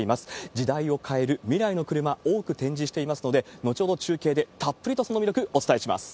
時代を変える未来の車、多く展示していますので、後ほど中継でたっぷりとその魅力お伝えします。